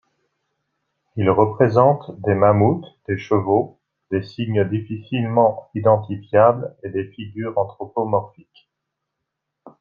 Ils représentent des mammouths, des chevaux, des signes difficilement identifiables et des figures anthropomorphiques.